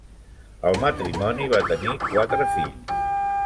El matrimoni va tenir quatre fills.